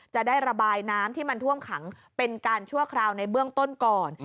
จะได้ระบายน้ำที่มันท่วมขังเป็นการชั่วคราวในเบื้องต้นก่อน